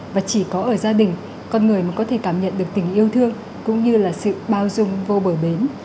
và chỉ có ở gia đình con người mới có thể cảm nhận được tình yêu thương cũng như là sự bao dung vô bờ bến